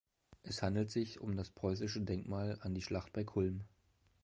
Es handelt sich um das preußische Denkmal an die Schlacht bei Kulm.